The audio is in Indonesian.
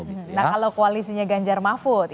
nah kalau koalisinya ganjar mahfud